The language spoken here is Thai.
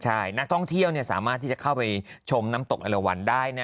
ใช่นักท่องเที่ยวสามารถที่จะเข้าไปชมน้ำตกเอลวันได้